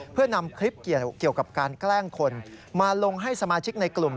เพื่อนำคลิปเกี่ยวกับการแกล้งคนมาลงให้สมาชิกในกลุ่ม